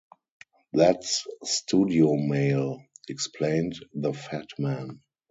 "That's studio mail," explained the fat man.